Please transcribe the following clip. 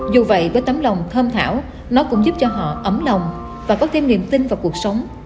dù vậy với tấm lòng thơm thảo nó cũng giúp cho họ ấm lòng và có thêm niềm tin vào cuộc sống